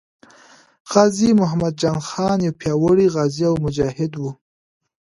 غازي محمد جان خان یو پیاوړی غازي او مجاهد وو.